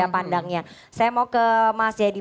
pandangnya saya mau ke mas jayadi